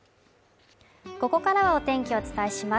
ここからはお天気をお伝えします